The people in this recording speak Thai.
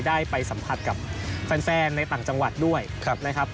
ได้ไปสัมผัสกับแฟนในต่างจังหวัดด้วยนะครับ